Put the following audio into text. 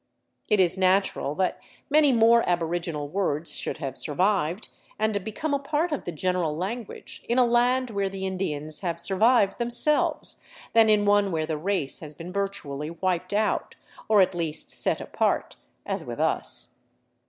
It is natural that many more aboriginal words should have survived 438 THE CITY OF THE SUN and become a part of the general language in a land where the Indians have survived themselves, than in one where the race has been virtu ally wiped out, or at least set apart, as with us.